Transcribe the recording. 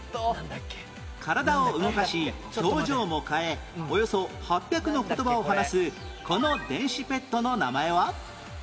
体を動かし表情も変えおよそ８００の言葉を話すこの電子ペットの名前は？